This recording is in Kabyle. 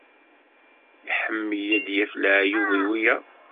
Iḥemmel ad d-yaf leɛyub i wiyaḍ.